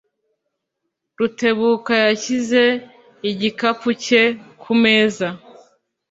Rutebuka yashyize igikapu cye kumeza.